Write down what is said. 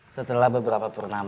setelah beberapa pernama